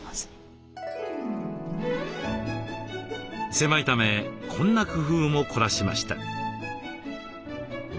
狭いためこんな工夫も凝らしました。